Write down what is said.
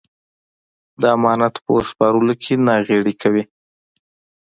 د امانت په ور سپارلو کې ناغېړي کوي.